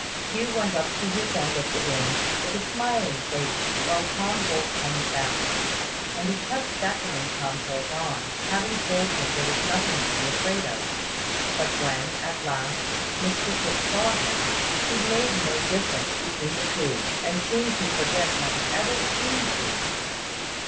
Hugh went up to his end of the room, with a smiling face, while Tom Holt hung back; and he kept beckoning Tom Holt on, having told him there was nothing to be afraid of. But when, at last, Mr Tooke saw him, he made no difference between the two, and seemed to forget having ever seen Hugh.